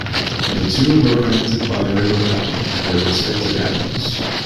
The two were connected by the River Avon and their respective avenues.